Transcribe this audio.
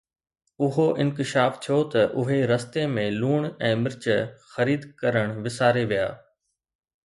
اهو انڪشاف ٿيو ته اهي رستي ۾ لوڻ ۽ مرچ خريد ڪرڻ وساري ويا